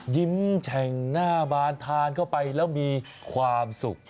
แฉ่งหน้าบานทานเข้าไปแล้วมีความสุข